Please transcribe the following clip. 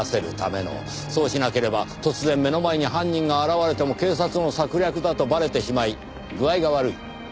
そうしなければ突然目の前に犯人が現れても警察の策略だとバレてしまい具合が悪い。